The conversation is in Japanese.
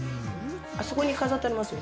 そこに飾ってありますよ。